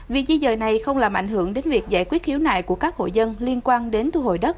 việc di dời này không làm ảnh hưởng đến việc giải quyết khiếu nại của các hội dân liên quan đến thu hồi đất